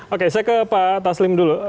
oke saya ke pak taslim dulu